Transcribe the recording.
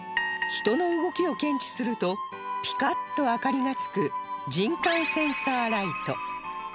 人の動きを検知するとピカッと明かりがつく人感センサーライト